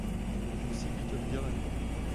Musí být odděleny.